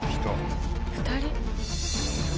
２人？